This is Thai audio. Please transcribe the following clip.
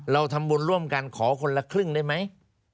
เราทำบุญร่วมกันขอคนละครึ่งได้ไหม